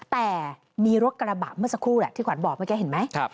แต่มีรถกระบะเมื่อสักครู่แหละที่ขวัญบอกเมื่อกี้เห็นไหม